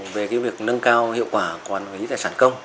về việc nâng cao hiệu quả quản lý tài sản công